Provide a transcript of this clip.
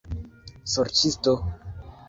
Sorĉisto!